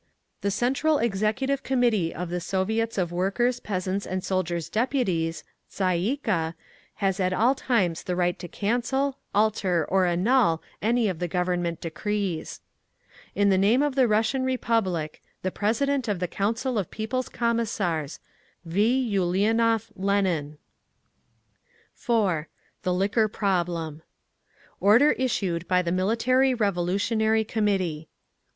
The Central Executive Committee of the Soviets of Workers', Peasants', and Soldiers' Deputies (Tsay ee kah) has at all times the right to cancel, alter or annul any of the Government decrees. In the name of the Russian Republic, the President of the Council of People's Commissars, V. ULIANOV LENIN. 4. THE LIQUOR PROBLEM Order Issued by the Military Revolutonary Committee 1.